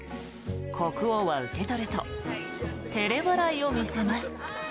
国王は受け取ると照れ笑いを見せます。